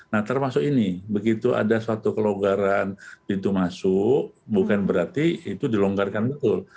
nah termasuk ini begitu ada suatu kelonggaran pintu masuk bukan berarti itu dilonggarkan betul